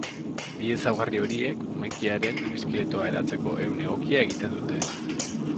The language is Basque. Bi ezaugarri horiek umekiaren eskeletoa eratzeko ehun egokia egiten dute.